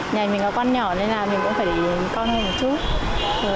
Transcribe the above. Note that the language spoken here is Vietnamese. nhà mình có con nhỏ nên là mình cũng phải con hơn một chút